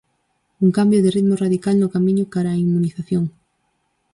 Un cambio de ritmo radical no camiño cara á inmunización.